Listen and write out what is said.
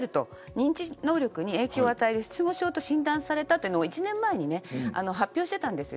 認知能力に影響を与える失語症と診断されたことを１年前に発表していました。